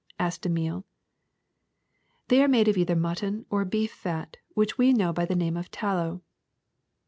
'' asked Emile. ^^They are made of either mutton or beef fat, which we know by the name of tallow.